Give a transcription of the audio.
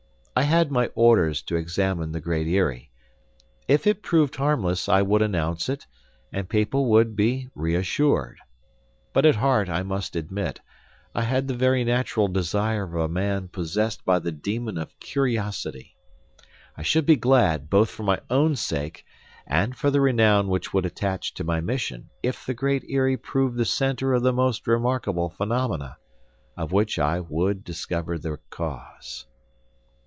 I had my orders to examine the Great Eyrie. If it proved harmless, I would announce it, and people would be reassured. But at heart, I must admit, I had the very natural desire of a man possessed by the demon of curiosity. I should be glad, both for my own sake, and for the renown which would attach to my mission if the Great Eyrie proved the center of the most remarkable phenomena—of which I would discover the cause.